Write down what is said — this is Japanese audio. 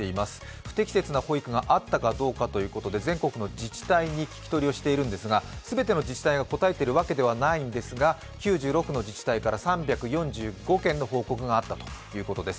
不適切な保育があったかどうかということで、全国の自治体に聞き取りをしているんですが全ての自治体が答えているわけではないんですが、９６の自治体から３４５件の報告があったということです。